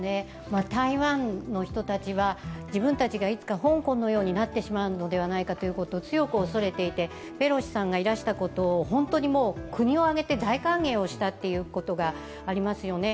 台湾の人たちは、自分たちがいつか香港のようになってしまうのではないかということを強く恐れていて、ペロシさんがいらしたことを国を挙げて大歓迎したということがありますよね。